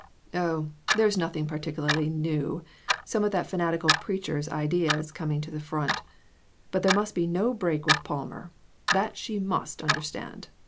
Oh, there is nothing particularly new; some of that fanatical preacher's ideas coming to the front. But there must be no break with Palmer; that she must understand.